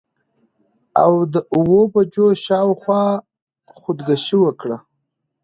او د اووه بجو شا او خوا خودکشي وکړه.